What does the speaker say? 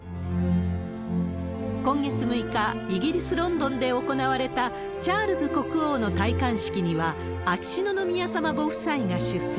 今月６日、イギリス・ロンドンで行われたチャールズ国王の戴冠式には、秋篠宮さまご夫妻が出席。